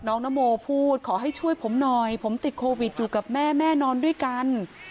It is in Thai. นโมพูดขอให้ช่วยผมหน่อยผมติดโควิดอยู่กับแม่แม่นอนด้วยกัน